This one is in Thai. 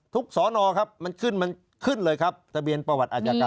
ทุกสอนอครับมันขึ้นเลยครับทะเบียนประวัติอาจกรรม